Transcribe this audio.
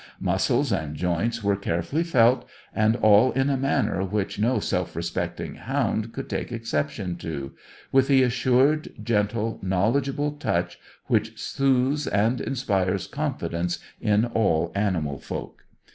Muscles and joints were carefully felt, and all in a manner which no self respecting hound could take exception to; with the assured, gentle, knowledgeable touch which soothes and inspires confidence in all animal folk.